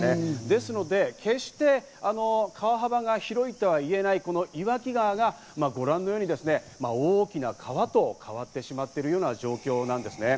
ですので決して川幅が広いとはいえないこの岩木川がご覧のように大きな川と変わってしまっているという状況なんですね。